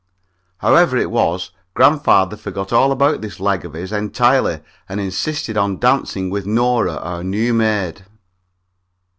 However it was, grandfather forgot all about this leg of his entirely and insisted on dancing with Nora, our new maid.